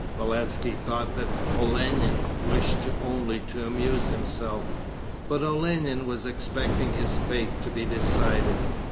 Beletski thought that Olenin wished only to amuse himself, but Olenin was expecting his fate to be decided.